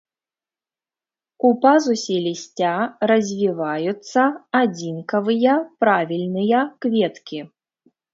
У пазусе лісця развіваюцца адзінкавыя правільныя кветкі.